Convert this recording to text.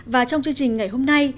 và trong chương trình ngày hôm nay